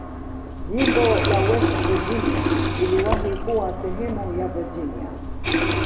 Jimbo la West Virginia iliwahi kuwa sehemu ya Virginia.